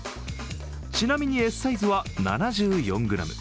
ちなみにＳサイズは７４ｇ。